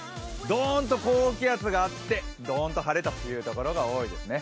どーんと高気圧があってドーンと晴れという所が多いですね。